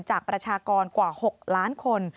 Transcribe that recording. ประชากรกว่า๖ล้านคน